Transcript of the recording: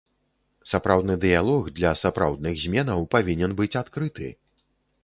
Сапраўдны дыялог, для сапраўдных зменаў, павінен быць адкрыты.